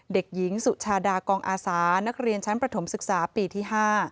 เด็กหญิงสุชาดากองอาสานักเรียนชั้นประถมศึกษาปีที่๕